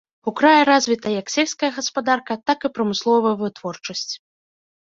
У краі развіта як сельская гаспадарка, так і прамысловая вытворчасць.